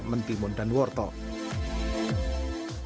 mentimun dan wortel